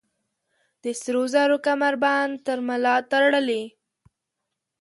د سروزرو کمربند تر ملا تړلي